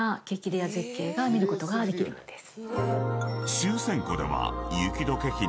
レア絶景が見ることができるんです。